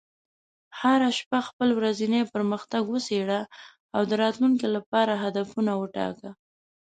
هره شپه خپل ورځنی پرمختګ وڅېړه، او د راتلونکي لپاره هدفونه وټاکه.